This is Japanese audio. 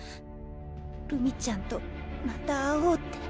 るみちゃんとまた会おうって！